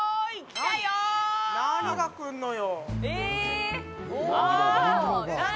何が来るのよ。